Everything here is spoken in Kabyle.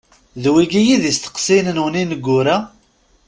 D wigi i d isteqsiyen-nwen ineggura?